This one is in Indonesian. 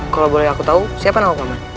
kalau boleh aku tahu siapa nama pak man